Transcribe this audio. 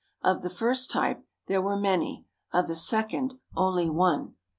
Of the first type, there were many, of the second, only one.